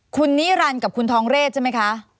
คุณนิรันดิ์กับคุณทองเรศใช่ไหมคะ